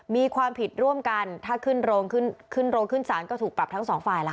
มีความผิดร่วมกันถ้าขึ้นโรงขึ้นโรงขึ้นศาลก็ถูกปรับทั้งสองฝ่ายล่ะค่ะ